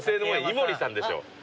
井森さんでしょ。